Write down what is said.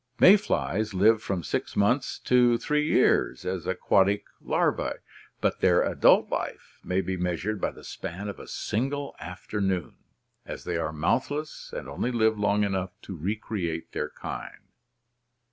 May flies live from six months to three years as aquatic larvae but their adult life may be measured by the span of a single after noon, as they are mouthless and only live long enough to recreate their kind.